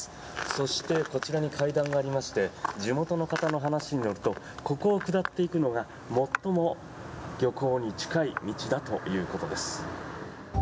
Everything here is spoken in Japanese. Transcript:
そしてこちらに階段がありまして地元の方の話によるとここを下っていくのが最も漁港に近い道だということです。